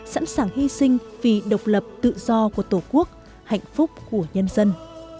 sẵn sàng hy sinh vì độc lập tự do của tổ quốc hạnh phúc của nhân dân